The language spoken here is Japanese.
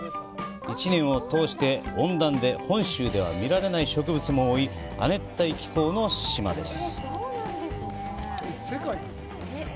一年を通して温暖で、本州では見られない植物も多い亜熱帯気候の島です。